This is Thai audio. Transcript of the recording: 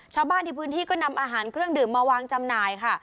ชาวบ้านที่พื้นที่ก็นำอาหารเครื่องดื่มมาวางจำหน่ายค่ะ